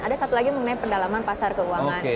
ada satu lagi mengenai pendalaman pasar keuangan